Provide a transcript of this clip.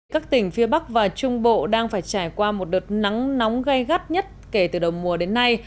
các tỉnh phía bắc và trung bộ đang phải trải qua một đợt nắng nóng gây gắt nhất kể từ đầu mùa đến nay